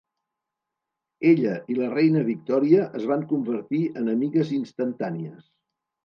Ella i la reina Victòria es van convertir en amigues instantànies.